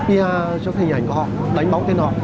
pa cho cái hình ảnh của họ đánh bóng tên họ